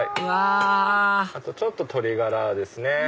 あとちょっと鶏ガラですね。